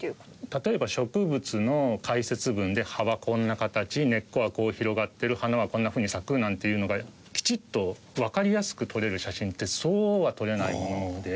例えば植物の解説文で葉はこんな形根っこはこう広がってる花はこんなふうに咲くなんていうのがきちっとわかりやすく撮れる写真ってそうは撮れないと思うので。